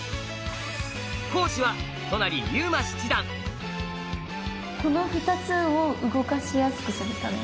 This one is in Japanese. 講師はこの２つを動かしやすくするため？